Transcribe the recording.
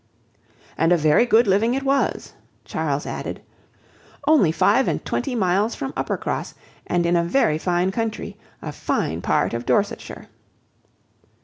"And a very good living it was," Charles added: "only five and twenty miles from Uppercross, and in a very fine country: fine part of Dorsetshire.